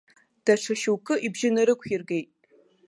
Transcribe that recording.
Даҽа шьоукгьы ибжьы нарықәиргеит.